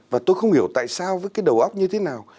và tôi không hiểu tại sao với cái đầu óc như thế nào